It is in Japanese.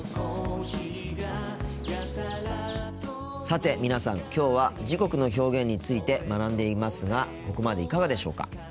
さて皆さんきょうは時刻の表現について学んでいますがここまでいかがでしょうか。